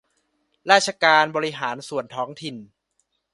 ราชการบริหารส่วนท้องถิ่น